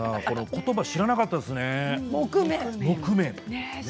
このことば知らなかったですね、木毛。